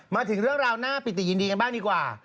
มาถึงเรื่องราวหน้าปิติยินดีกันบ้างดีกว่า